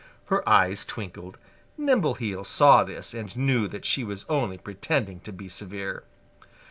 Her eyes twinkled. Nimbleheels saw this and knew that she was only pretending to be severe.